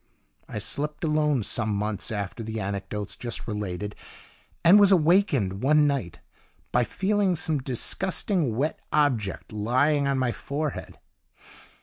I slept alone some months after the anecdotes just related, and was awakened one night by feeling some disgusting, wet object lying on my forehead.